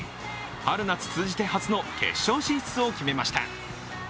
春夏通じて初の決勝進出を決めました。